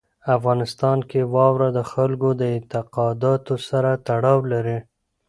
افغانستان کې واوره د خلکو د اعتقاداتو سره تړاو لري.